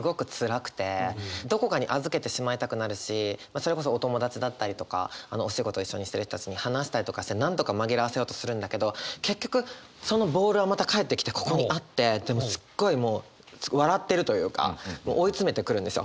それこそお友達だったりとかお仕事一緒にしてる人たちに話したりとかしてなんとか紛らわせようとするんだけど結局そのボールはまた返ってきてここにあってでもすっごいもう笑ってるというかもう追い詰めてくるんですよ。